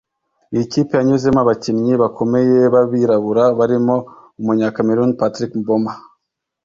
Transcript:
Iyi kipe yanyuzemo abakinnyi bakomeye b’abirabura barimo umunya-Cameroun Patrick Mboma